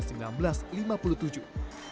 khususnya bagi kalangan yang terbaik